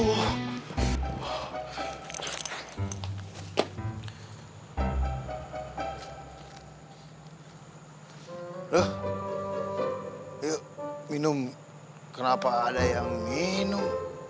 loh yuk minum kenapa ada yang minum